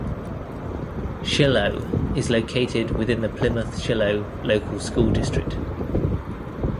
Shiloh is located within the Plymouth-Shiloh Local School District.